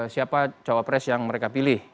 siapa cawapres yang mereka pilih